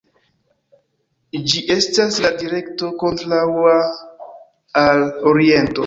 Ĝi estas la direkto kontraŭa al oriento.